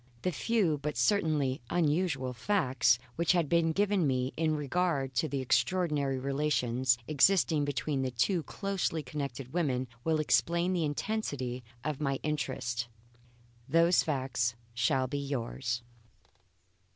The few, but certainly unusual, facts which had been given me in regard to the extraordinary relations existing between these two closely connected women will explain the intensity of my interest. Those facts shall be yours.